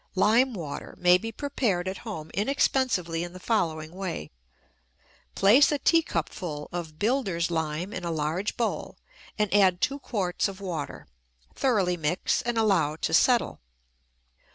Lime water may be prepared at home inexpensively in the following way: Place a teacupful of builders' lime in a large bowl and add two quarts of water; thoroughly mix and allow to settle.